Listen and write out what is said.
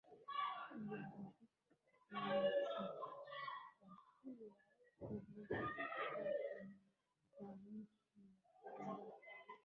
jorgic alishitakiwa kuhusika kwenye mauaji ya kimbari